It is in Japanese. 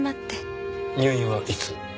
入院はいつ？